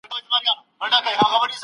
حضرت قتاده ډیر حدیثونه روایت کړي دي.